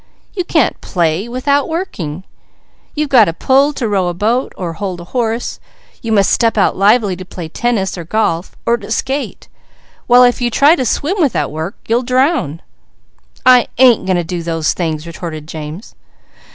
You can't play without working. You've got to pull to row a boat, or hold a horse. You must step out lively to play tennis, or golf, or to skate, while if you try to swim without work, you'll drown." "I ain't going to do those things!" retorted James.